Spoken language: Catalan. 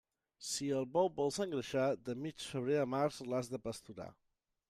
Si el bou vols engreixar, de mig febrer a març l'has de pasturar.